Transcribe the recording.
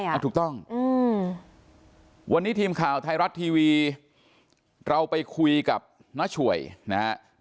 ถูกต้องอืมวันนี้ทีมข่าวไทยรัฐทีวีเราไปคุยกับน้าช่วยนะฮะ